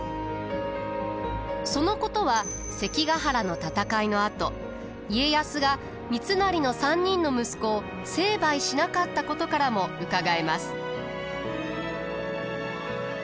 そのことは関ヶ原の戦いのあと家康が三成の３人の息子を成敗しなかったことからもうかがえます。